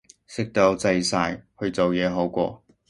食到滯晒，去做嘢好過